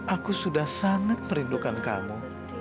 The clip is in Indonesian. aku sudah sangat merindukan kamu